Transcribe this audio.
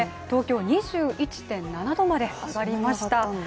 東京２１．７度まで上がりました。